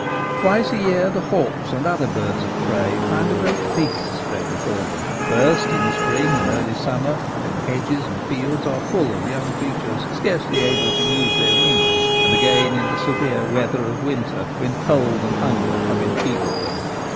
Twice a year the hawks and other birds of prey find a great feast spread before them ; first, in the spring and early summer, when the hedges and fields are full of young creatures scarcely able to use their wings, and again in the severe weather of winter when cold and hunger have enfeebled them.